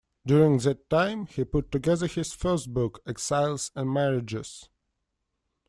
During that time, he put together his first book, "Exiles and Marriages".